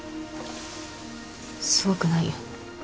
すごくないよ。